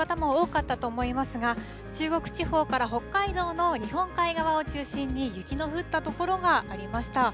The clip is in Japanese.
きょうは仕事始めという方も多かったと思いますが、中国地方から北海道の日本海側を中心に雪の降った所がありました。